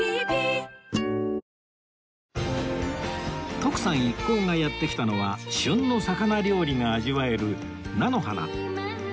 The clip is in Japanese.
徳さん一行がやって来たのは旬の魚料理が味わえる菜の花